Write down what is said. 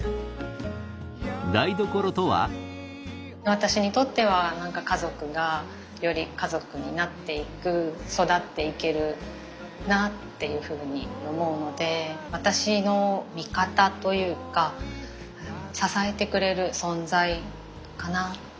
私にとっては家族がより家族になっていく育っていけるなっていうふうに思うので私の味方というか支えてくれる存在かなと思います。